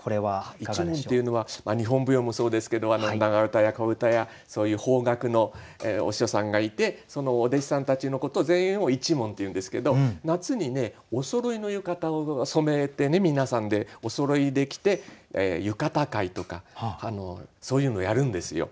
「一門」というのは日本舞踊もそうですけど長唄や小唄やそういう邦楽のお師匠さんがいてそのお弟子さんたちのこと全員を一門っていうんですけど夏におそろいの浴衣を染めてね皆さんでおそろいで着て浴衣会とかそういうのをやるんですよ。